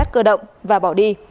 cảnh sát cơ động và bỏ đi